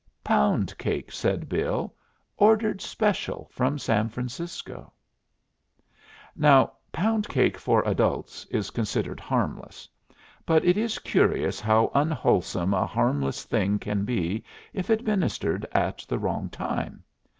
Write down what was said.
"Pound cake," said Bill. "Ordered special from San Francisco." Now pound cake for adults is considered harmless. But it is curious how unwholesome a harmless thing can be if administered at the wrong time.